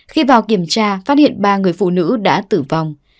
khi vào kiểm tra phát hiện ba người phụ nữ đã tử vong